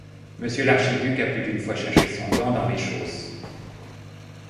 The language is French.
Monsieur l’archiduc a plus d’une fois cherché son gant dans mes chausses.